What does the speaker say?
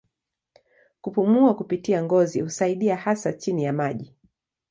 Kupumua kupitia ngozi husaidia hasa chini ya maji.